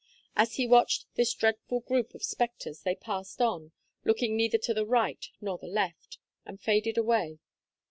As he watched this dreadful group of spectres they passed on, looking neither to the right nor the left, and faded away.